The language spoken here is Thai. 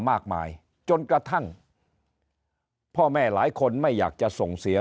มากมายจนกระทั่งพ่อแม่หลายคนไม่อยากจะส่งเสีย